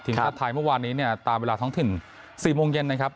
ชาติไทยเมื่อวานนี้เนี่ยตามเวลาท้องถิ่น๔โมงเย็นนะครับ